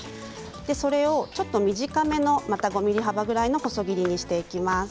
それをちょっと短めの５ｍｍ幅くらいの細切りにしていきます。